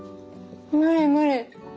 無理無理。